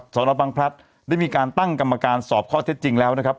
สนบังพลัดได้มีการตั้งกรรมการสอบข้อเท็จจริงแล้วนะครับ